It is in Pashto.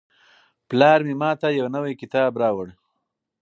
پلار مې ماته یو نوی کتاب راوړ.